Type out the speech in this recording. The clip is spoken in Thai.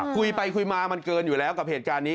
คุยไปคุยมามันเกินอยู่แล้วกับเหตุการณ์นี้